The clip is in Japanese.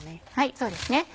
そうですね。